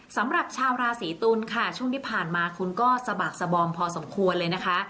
สำหรับชาวราศีตุลค่ะช่วงที่ผ่านมาคุณก็สะบักสบอมพอสมควรเลยนะคะ